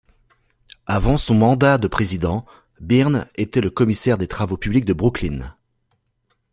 Avant son mandat de Président, Byrne était le Commissaire des travaux publics de Brooklyn.